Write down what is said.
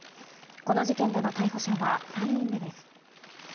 この事件での逮捕者は３人目です。